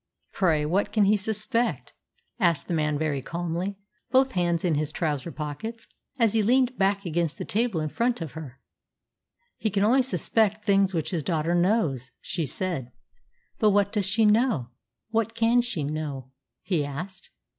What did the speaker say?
"Pray, what can he suspect?" asked the man very calmly, both hands in his trouser pockets, as he leaned back against the table in front of her. "He can only suspect things which his daughter knows," she said. "But what does she know? What can she know?" he asked.